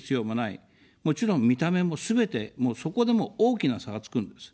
もちろん、見た目もすべて、もうそこでも大きな差がつくんです。